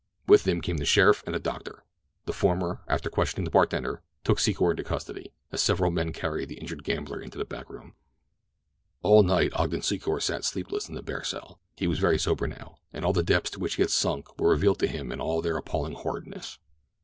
With them came the sheriff and a doctor. The former, after questioning the bartender, took Secor into custody, as several men carried the injured gambler into a back room. All night Ogden Secor sat sleepless in his bare cell. He was very sober now, and the depths to which he had sunk were revealed to him in all their appalling horridness.